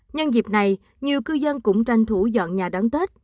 nhân dịp này nhiều cư dân cũng tranh thủ dọn nhà đón tết